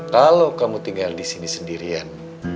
kalau kamu tinggal di sini sendirian